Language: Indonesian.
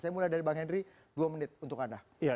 saya mulai dari bang henry dua menit untuk anda